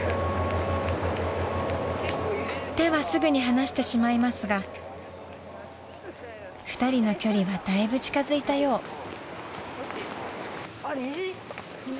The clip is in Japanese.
［手はすぐに離してしまいますが２人の距離はだいぶ近づいたよう］